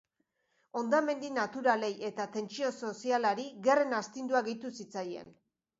Hondamendi naturalei eta tentsio sozialari gerren astindua gehitu zitzaien.